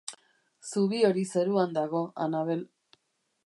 Zubi hori zeruan dago, Annabel.